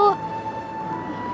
udah yuk pulang